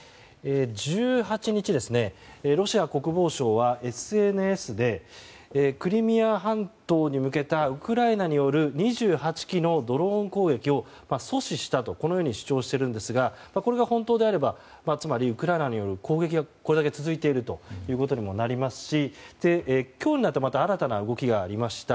１８日、ロシア国防省はＳＮＳでクリミア半島に向けたウクライナによる２８機のドローン攻撃を阻止したと主張していますがこれが本当ならウクライナによる攻撃がこれだけ続いているということにもなりますし今日になってまた新たな動きがありました。